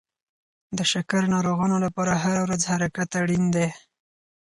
د شکر ناروغانو لپاره هره ورځ حرکت اړین دی.